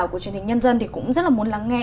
của truyền hình nhân dân thì cũng rất là muốn lắng nghe